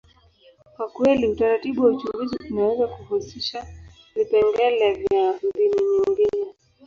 kwa kweli, utaratibu wa uchunguzi unaweza kuhusisha vipengele vya mbinu nyingi.